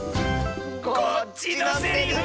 こっちのせりふ！